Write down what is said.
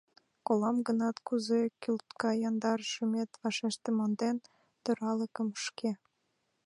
Колам гынат, кузе кӱлтка яндар шӱмет, Вашеште, монден торалыкым, шке!